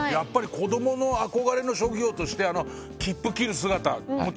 子供の憧れの職業としてあの切符切る姿發舛蹐